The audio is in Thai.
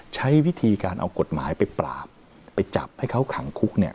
ใช้วิธีการเอากฎหมายไปปราบไปจับให้เขาขังคุกเนี่ย